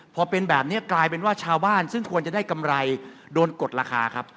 พอเป็นแบบนี้กลายเป็นว่าชาวบ้านซึ่งควรจะได้กำไรโดนกดราคาครับ